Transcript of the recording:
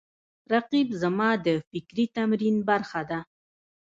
رقیب زما د فکري تمرین برخه ده